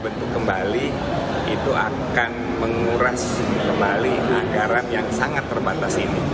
bentuk kembali itu akan menguras kembali anggaran yang sangat terbatas ini